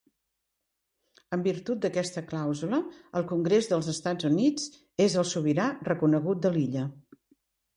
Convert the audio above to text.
En virtut d'aquesta clàusula, el Congrés dels Estats Units és el sobirà reconegut de l'illa.